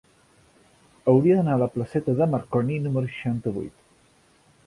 Hauria d'anar a la placeta de Marconi número seixanta-vuit.